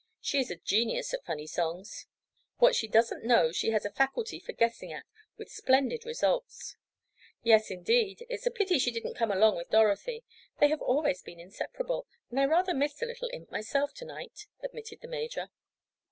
"She is a genius at funny songs. What she doesn't know she has a faculty for guessing at with splendid results." "Yes indeed. It's a pity she didn't come along with Dorothy. They have always been inseparable, and I rather miss the little imp myself tonight," admitted the major.